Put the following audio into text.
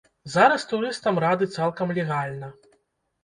Зараз турыстам рады цалкам легальна.